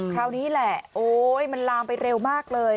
คราวนี้แหละโอ๊ยมันลามไปเร็วมากเลย